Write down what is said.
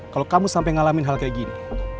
kalau kamu sampai ngalamin hal kayak gini